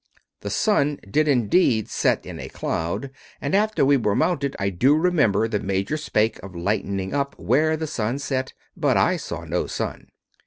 The sun did indeed set in a cloud, and after we were mounted, I do remember the major spake of lightening up where the sun set; but I saw no sun."